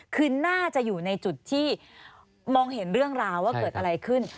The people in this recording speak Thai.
คือน่าจะอยู่ในจุดที่มองเห็นเรื่องราวว่าเกิดอะไรขึ้น